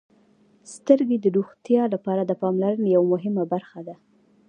• سترګې د روغتیا لپاره د پاملرنې یوه مهمه برخه ده.